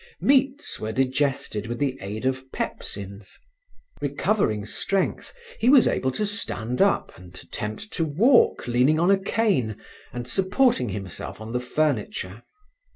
Meats were digested with the aid of pepsines. Recovering strength, he was able to stand up and attempt to walk, leaning on a cane and supporting himself on the furniture.